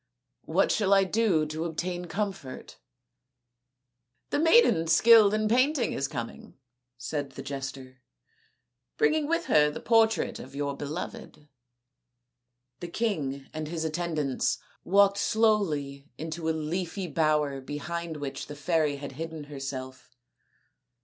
" What shall I do to obtain comfort ?"" The maiden skilled in painting is coming," said the jester, " bringing with her the portrait of your beloved." The king and his attendants walked slowly into a leafy bower behind which the fairy had hidden herself.